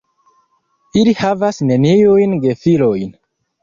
Ili havis neniujn gefilojn.